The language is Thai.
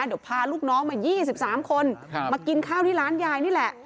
เดี๋ยวพาลูกน้องมา๒๓คนมากินข้าวที่ร้านยายนี่แหละ